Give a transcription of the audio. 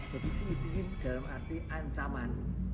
jadi sih istrinya dalam arti ancaman